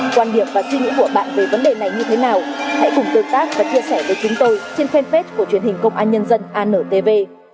quan điểm và suy nghĩ của bạn về vấn đề này như thế nào hãy cùng tương tác và chia sẻ với chúng tôi trên fanpage của truyền hình công an nhân dân antv